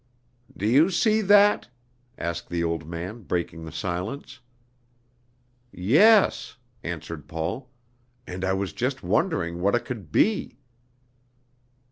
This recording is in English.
"Do you see that?" asked the old man, breaking the silence. "Yes," answered Paul; "and I was just wondering what it could be."